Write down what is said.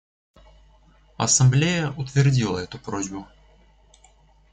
Ассамблея утвердила эту просьбу.